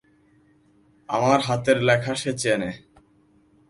আমার হাতের লেখা সে চেনে।